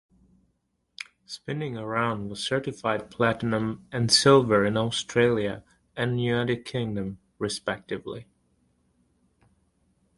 "Spinning Around" was certified platinum and silver in Australia and the United Kingdom, respectively.